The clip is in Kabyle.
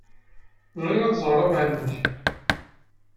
Bɣiɣ ad ẓreɣ amεellem-ik.